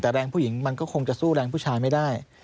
แต่แรงผู้หญิงมันก็คงจะสู้แรงผู้ชายไม่ได้